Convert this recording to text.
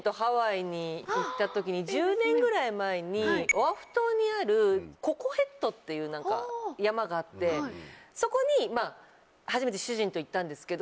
１０年ぐらい前にオアフ島にあるココ・ヘッドっていう山があってそこに初めて主人と行ったんですけど。